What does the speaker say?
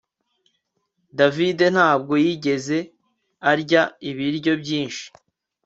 David ntabwo yigeze arya ibiryo byinshi